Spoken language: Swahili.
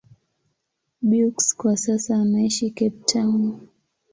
Beukes kwa sasa anaishi Cape Town.